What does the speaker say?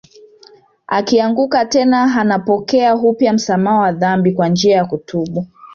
Akianguka tena anapokea upya msamaha wa dhambi kwa njia ya kutubu